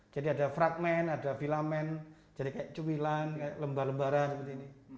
jadi ada fragment ada filament jadi kayak cumilan kayak lembar lembaran seperti ini